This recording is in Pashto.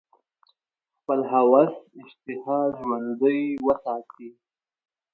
خپل هوس اشتها ژوندۍ وساتي.